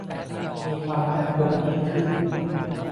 มีความมั่นคงยิ่งขึ้น